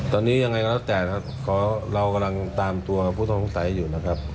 ตอนนี้ยังไงก็แล้วแต่เรากำลังตามตัวผู้ต้องสงสัยอยู่